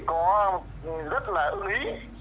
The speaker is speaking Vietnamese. có rất là ưng ý